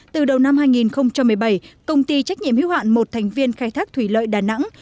từ đầu năm hai nghìn một mươi bảy công ty trách nhiệm hiếu hạn một thành viên khai thác thủy lợi đà nẵng